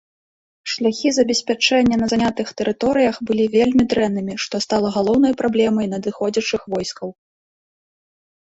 Шляхі забеспячэння на занятых тэрыторыях былі вельмі дрэннымі, што стала галоўнай праблемай надыходзячых войскаў.